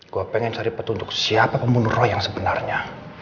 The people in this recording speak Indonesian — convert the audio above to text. gue pengen cari petunjuk siapa pembunuh roh yang sebenarnya